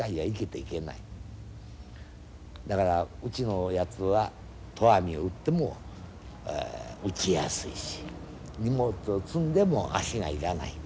だからうちのやつは投網を打っても打ちやすいし荷物を積んでも足が要らない。